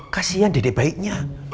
kasian dedek baiknya